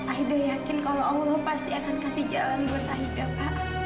aida yakin kalau allah pasti akan kasih jalan buat aida pak